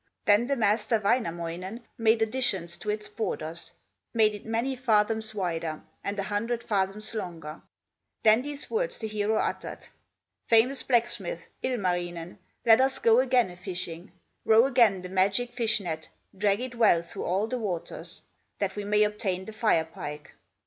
Then the master, Wainamoinen, Made additions to its borders, Made it many fathoms wider, And a hundred fathoms longer, Then these words the hero uttered: "Famous blacksmith, Ilmarinen, Let us go again a fishing, Row again the magic fish net, Drag it well through all the waters, That we may obtain the Fire pike!"